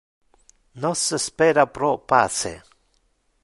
Nos spera pro pace.